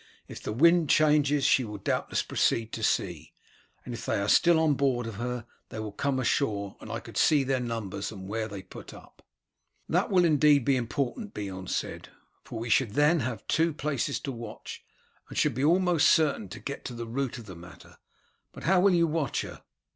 If the wind changes she will doubtless proceed to sea, and if they are still on board of her they will come ashore, and I could see their numbers and where they put up." "That will indeed be important," Beorn said, "for we should then have two places to watch, and should be almost certain to get to the root of the matter. But how will you watch her?"